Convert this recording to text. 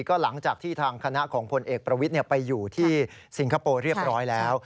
ก็หลังจากที่ทางคณะของพลเอกประวิทย์ไปอยู่ที่สิงคโปร์เรียบร้อยแล้ว